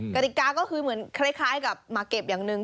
กติกาก็คือเหมือนคล้ายกับมาเก็บอย่างหนึ่ง